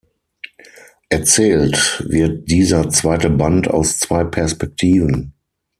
Erzählt wird dieser zweite Band aus zwei Perspektiven.